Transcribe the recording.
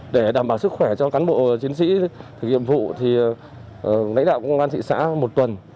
để đảm bảo sức khỏe cho cán bộ chiến sĩ thực hiện nhiệm vụ thì lãnh đạo công an thị xã một tuần